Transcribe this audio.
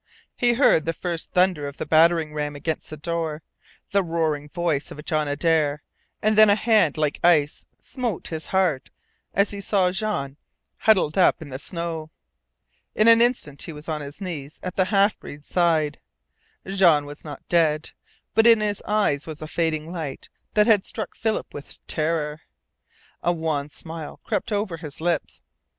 He heard the first thunder of the battering ram against the door, the roaring voice of John Adare, and then a hand like ice smote his heart as he saw Jean huddled up in the snow. In an instant he was on his knees at the half breed's side. Jean was not dead. But in his eyes was a fading light that struck Philip with terror. A wan smile crept over his lips.